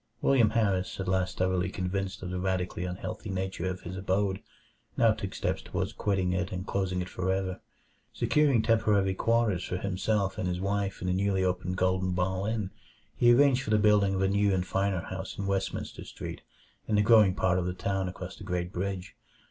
William Harris, at last thoroughly convinced of the radically unhealthful nature of his abode, now took steps toward quitting it and closing it for ever. Securing temporary quarters for himself and his wife at the newly opened Golden Ball Inn, he arranged for the building of a new and finer house in Westminster Street, in the growing part of the town across the Great Bridge.